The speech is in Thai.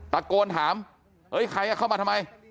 ตะโกนถามเฮ้ยใครเข้ามาทำไม